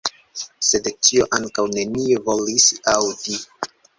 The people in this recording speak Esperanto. Sed tion ankaŭ neniu volis aŭdi.